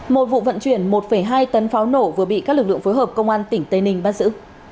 một vụ vận chuyển một hai tấn pháo nổ vừa bị các lực lượng phối hợp công an tỉnh tây ninh bắt giữ